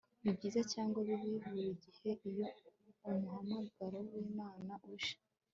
nibyiza cyangwa bibi burigihe iyo umuhamagaro wimana uje